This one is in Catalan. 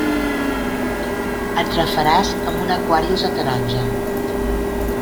Et refaràs amb un Aquarius de taronja.